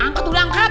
angkat udah angkat